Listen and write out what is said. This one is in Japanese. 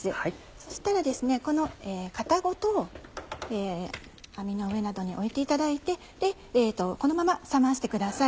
そしたらこの型ごと網の上などに置いていただいてこのまま冷ましてください。